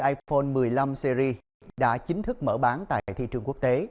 iphone một mươi năm series đã chính thức mở bán tại thị trường quốc tế